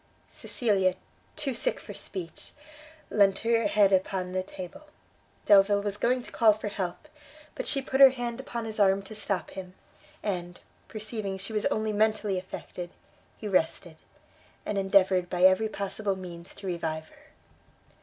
Cecilia, too sick for speech, leant her head upon a table. Delvile was going to call for help; but she put her hand upon his arm to stop him, and, perceiving she was only mentally affected, he rested, and endeavoured by every possible means to revive her.